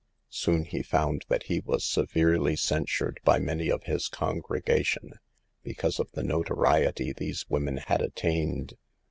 Soon he found that he was severely censured by many of his congregation, because of the no toriety these women had attained.